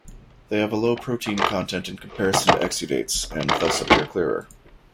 They have a low protein content in comparison to exudates and thus appear clearer.